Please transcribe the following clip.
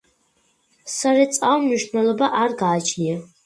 სარეწაო მნიშვნელობა არ გააჩნია.